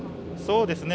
そうですね。